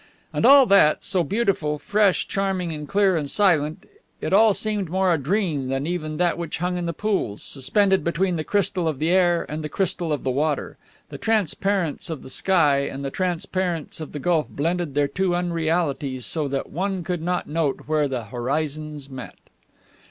And all that, so beautiful, fresh, charming and clear, and silent, it all seemed more a dream than even that which hung in the pools, suspended between the crystal of the air and the crystal of the water. The transparence of the sky and the transparence of the gulf blended their two unrealities so that one could not note where the horizons met.